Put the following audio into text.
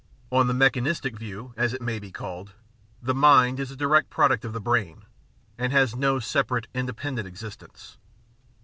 On the mechanistic view, as it may be called, the mind is a direct product of the brain, and has no separate independent existence.